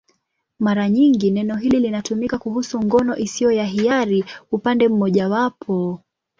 Mara nyingi neno hili linatumika kuhusu ngono isiyo ya hiari upande mmojawapo.